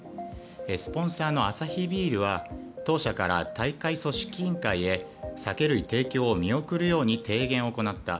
スポンサーのアサヒビールは当社から大会組織委員会へ酒類提供を見送るように提言を行った。